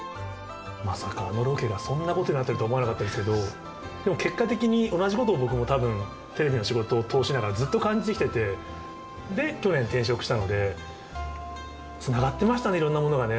まさか、あのロケがそんなことになっているとは思わなかったですけど、でも結果的に同じことを僕もたぶん、テレビの仕事を通しながらずっと感じてきてて、で、去年、転職したので、つながってましたね、いろんなものがね。